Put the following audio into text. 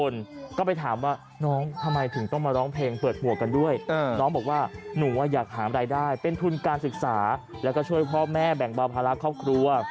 และก็ช่วยพ่อแม่แบ่งบาวพารักษ์ครอบครัว